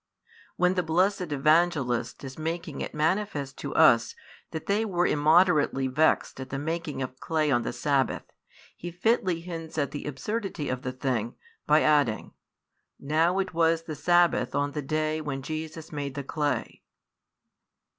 When the blessed Evangelist is making it manifest to us that they were immoderately vexed at the making of clay on the sabbath, he fitly hints at the absurdity of the thing, by adding: Now it was the sabbath on the day when Jesus made the clay.